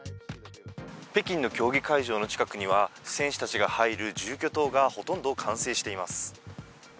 北京の競技会場の近くには、選手たちが入る住居棟がほとんど完成しています。